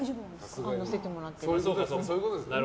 乗せてもらってます。